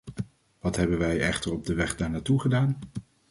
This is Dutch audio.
Wat hebben wij echter op weg daar naartoe gedaan?